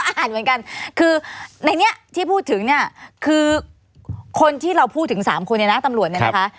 ฉันก็อ่านเหมือนกันคือในนี้ที่พูดถึงคือคนที่เราพูดถึง๓คนในนักตำรวจนี่นะคะ